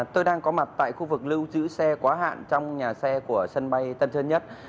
tôi đang có mặt tại khu vực lưu trữ xe quá hạn trong nhà xe của sân bay tân sơn nhất